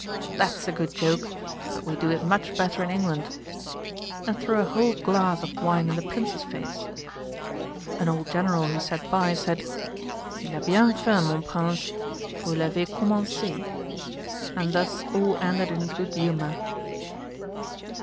'That's a good joke; but we do it much better in England;' and threw a whole glass of wine in the Prince's face. An old General who sat by, said, 'Il a bien fait, mon Prince, vous l'avez commencé:' and thus all ended in good humour.'